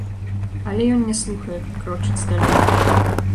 Але ён не слухае, крочыць далей.